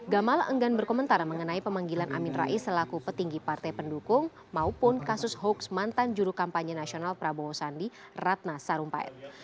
gamal enggan berkomentar mengenai pemanggilan amin rais selaku petinggi partai pendukung maupun kasus hoax mantan juru kampanye nasional prabowo sandi ratna sarumpait